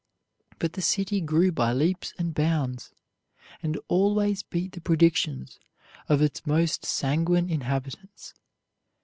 But the city grew by leaps and bounds, and always beat the predictions of its most sanguine inhabitants.